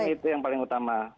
itu yang paling utama